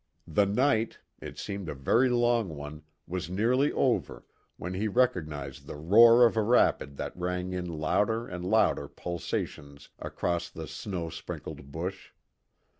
The night it seemed a very long one was nearly over, when he recognised the roar of a rapid that rang in louder and louder pulsations across the snow sprinkled bush.